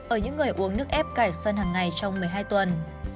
ở những người uống nước ép cải xuân hằng ngày trong một mươi hai tuần